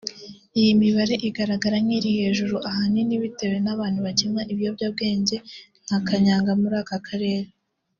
Iyi mibare igaragara nk’iri hejuru ahanini bitewe n’abantu bakinywa ibiyobyabwenge nka Kanyanga muri aka Karere